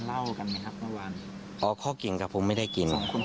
เอ้าข้อกลิ่นครับผมไม่ได้กลิ่น